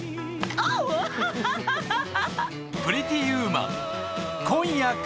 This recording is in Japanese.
アハハハ。